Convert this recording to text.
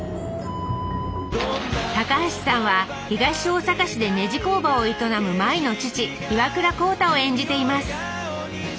高橋さんは東大阪市でネジ工場を営む舞の父岩倉浩太を演じています